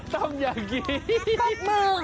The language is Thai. เดี๋ยวโม้นไมาออขีดโลมาให้ดูนะคะ